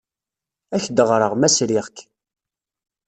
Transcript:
Ad ak-d-ɣreɣ, ma sriɣ-k.